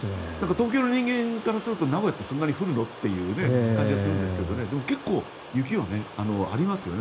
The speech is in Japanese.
東京の人間からすると名古屋ってそんなに降るの？という感じがするんですが結構、雪がありますよね。